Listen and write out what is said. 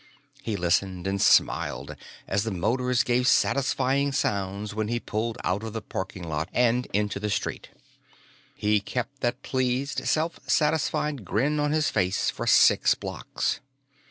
He listened and smiled as the motors made satisfying sounds while he pulled out of the parking lot and into the street. He kept that pleased, self satisfied grin on his face for six blocks.